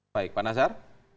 baik pak nasar